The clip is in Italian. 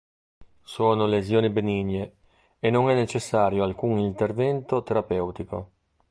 Sono lesioni benigne e non è necessario alcun intervento terapeutico.